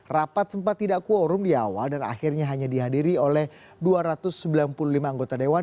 rapat sempat tidak quorum di awal dan akhirnya hanya dihadiri oleh dua ratus sembilan puluh lima anggota dewan